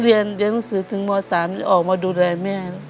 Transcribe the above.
เรียนเรียนหนังสือถึงม๓ออกมาดูแลแม่